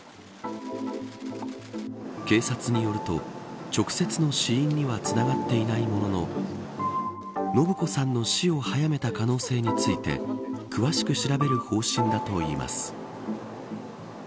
警察によると直接の死因にはつながっていないものの延子さんの死を早めた可能性について詳しく調べる方針だといいます。